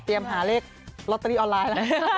เตรียมหาเลขลอตเตอรี่ออนไลน์